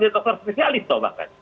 dokter spesialis tau bahkan